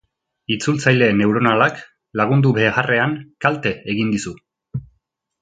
Itzultzaile neuronalak lagundu beharrean kalte egin dizu.